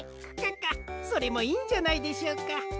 クカカそれもいいんじゃないでしょうか？